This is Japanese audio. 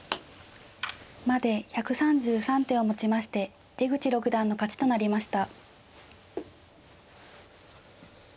まで１３３手をもちまして出口六段の勝ちとなりました。